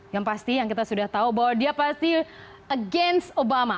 yang pasti yang kita sudah tahu bahwa dia pasti against obama